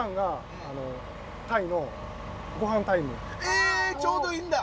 えちょうどいいんだ！